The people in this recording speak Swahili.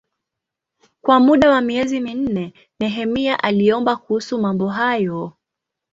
Kwa muda wa miezi minne Nehemia aliomba kuhusu mambo hayo.